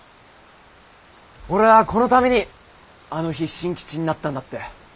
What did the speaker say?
俺ぁこのためにあの日進吉になったんだって。